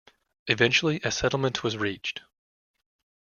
Eventually a settlement was reached.